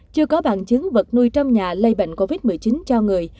chưa có bằng chứng vật nuôi trong nhà lây bệnh covid một mươi chín cho người